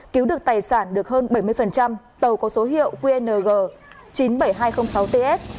cứu được tài sản được hơn bảy mươi tàu có số hiệu qng chín mươi bảy nghìn hai trăm linh sáu ts